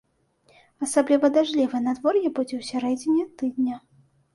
Асабліва дажджлівае надвор'е будзе ў сярэдзіне тыдня.